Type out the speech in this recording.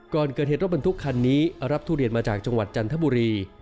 ก่อนเกิดเหตุรถบรรทุกคันนี้รับทุเรียนมาจากจังหวัดจันทบุรี